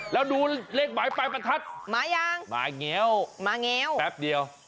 แล้วดูเลขหมายปลายประทัดมายังมาแง้วมาแง้วแป๊บเดียว